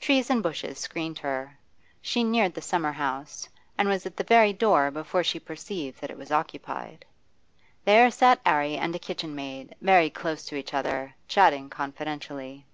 Trees and bushes screened her. She neared the summerhouse, and was at the very door before she perceived that it was occupied. There sat 'Arry and a kitchenmaid, very close to each other, chatting confidentially.